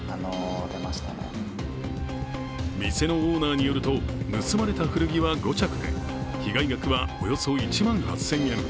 店のオーナーによると、盗まれた古着は５着で被害額は、およそ１万８０００円。